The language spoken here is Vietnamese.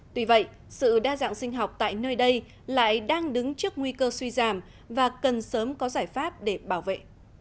tuy vậy sự đa dạng sinh học tại nơi đây lại đang đứng trước nguy cơ suy giảm và cần sớm có giải pháp để bảo vệ